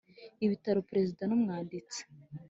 bitoramo Perezida n umwanditsi